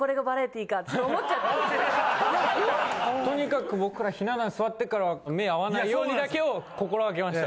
とにかく僕らひな壇座ってから目合わないようにだけを心がけました。